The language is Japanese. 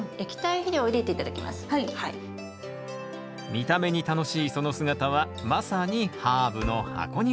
見た目に楽しいその姿はまさにハーブの箱庭。